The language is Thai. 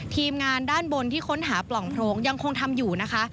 ทีมงานด้านบนที่ค้นหาปล่องโพรงยังคงทำอยู่นะคะ